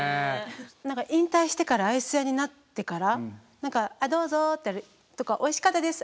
何か引退してからアイス屋になってから「どうぞ」とか「おいしかったです。